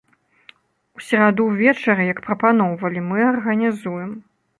У сераду ўвечары, як прапаноўвалі, мы арганізуем.